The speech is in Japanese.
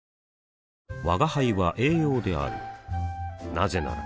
なぜなら